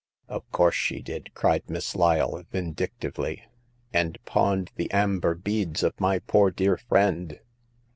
Of course she did !" cried Miss Lyle, vin dictively— and pawned the amber beads of my poor dear friend